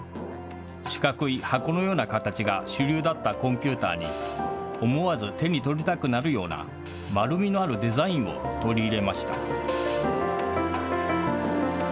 四角い箱のような形が主流だったコンピューターに、思わず手に取りたくなるような、丸みのあるデザインを取り入れました。